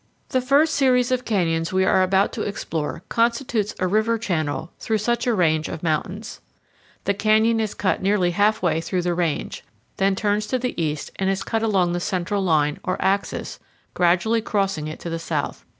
The first series of canyons we are about to explore constitutes a river channel through such a range of mountains. The canyon is cut nearly halfway through the range, then turns to the east and is cut along the central line, or axis, gradually crossing it to the south.